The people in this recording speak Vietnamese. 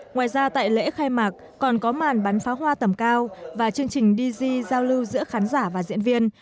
ngoài ra tại lễ khai mạc còn có màn bắn pháo hoa tầm cao và chương trình dz giao lưu giữa khán giả và diễn viên